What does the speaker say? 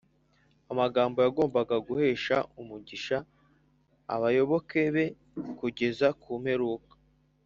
amagambo yagombaga guhesha umugisha abayaboke be kugeza ku mperuka